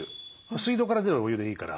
水道から出るお湯でいいから。